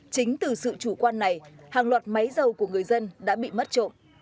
chính từ sự chủ quan này hàng loạt máy dầu của người dân đã bị mất trộm